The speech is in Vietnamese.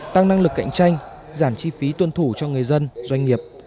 tăng năng lực cạnh tranh giảm chi phí tuân thủ cho người dân doanh nghiệp